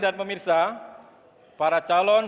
dan pemirsa para calon